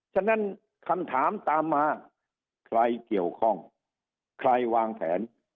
ฉะนั้นคำถามตามมาใครเกี่ยวข้องใครวางแผน